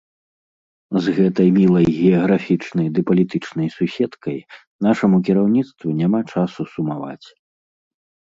З гэтай мілай геаграфічнай ды палітычнай суседкай нашаму кіраўніцтву няма часу сумаваць.